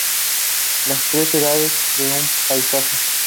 Las tres edades de un paisaje